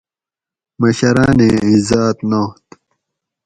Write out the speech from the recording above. مشرانیں عزات نات